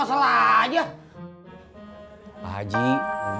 orang nyari ini terjual gak consistency